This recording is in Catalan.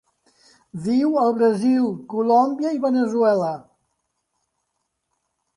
Viu al Brasil, Colòmbia i Veneçuela.